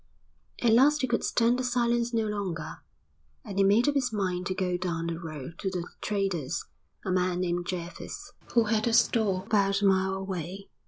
At last he could stand the silence no longer, and he made up his mind to go down the road to the trader's, a man named Jervis, who had a store about a mile away.